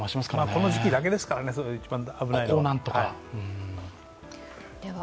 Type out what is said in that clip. この時期だけですからね、一番危ないのは。